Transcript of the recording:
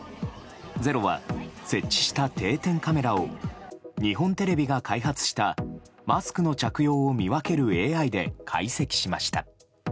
「ｚｅｒｏ」は設置した定点カメラを日本テレビが開発したマスクの着用を見分けるＡＩで解析しました。